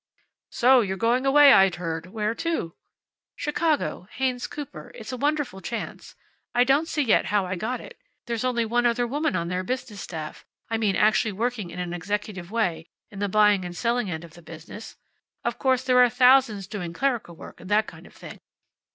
"So you're going away. I'd heard. Where to?" "Chicago, Haynes Cooper. It's a wonderful chance. I don't see yet how I got it. There's only one other woman on their business staff I mean working actually in an executive way in the buying and selling end of the business. Of course there are thousands doing clerical work, and that kind of thing.